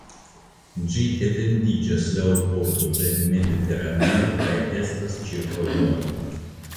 Ĝi etendiĝas laŭ la bordo de Mediteraneo kaj estas ĉirkaŭ longa.